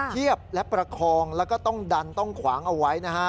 เทียบและประคองแล้วก็ต้องดันต้องขวางเอาไว้นะฮะ